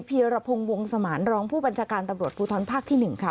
พิรุะพงศ์วงศ์สมาร้องผู้บัญชาการตำรวจภูท้อนภาคที่หนึ่งค่ะ